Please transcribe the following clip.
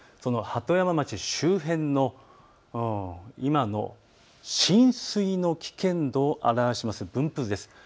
鳩山町周辺の今の浸水の危険度を表した分布図です。